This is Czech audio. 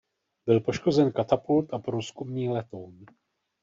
Byl poškozen katapult a průzkumný letoun.